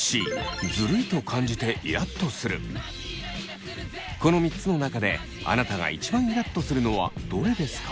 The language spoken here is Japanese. この３つの中であなたが一番イラっとするのはどれですか？